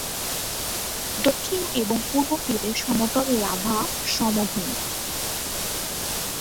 দক্ষিণ এবং পূর্ব তীরে সমতল লাভা সমভূমি।